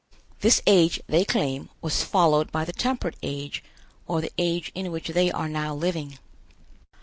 This age, they claim, was followed by the Temperate Age, or the age in which they are now living.